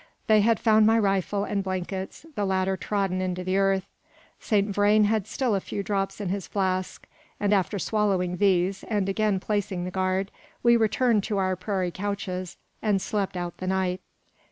They had found my rifle and blankets, the latter trodden into the earth. Saint Vrain had still a few drops in his flask; and after swallowing these, and again placing the guard, we returned to our prairie couches and slept out the night.